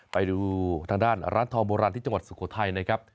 ไปดูทางด้านร้านทองโบราณที่จังหวัดสุโขทัยนะครับ